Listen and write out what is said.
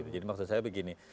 jadi maksud saya begini